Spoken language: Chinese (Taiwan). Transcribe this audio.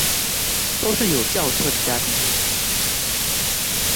都是有轎車的家庭背景